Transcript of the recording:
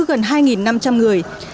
phần hai năm trăm linh người